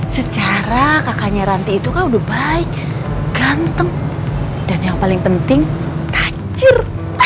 sejarah kakaknya ranti itu kan udah baik ganteng dan yang paling penting tacir